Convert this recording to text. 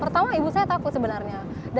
pertama ibu saya takut sebenarnya